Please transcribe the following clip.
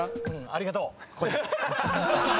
ありがとうこじ。